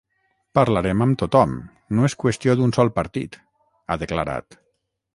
Parlarem amb tothom, no és qüestió d’un sol partit, ha declarat.